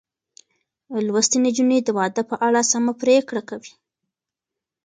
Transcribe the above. لوستې نجونې د واده په اړه سمه پرېکړه کوي.